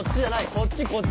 こっちこっち。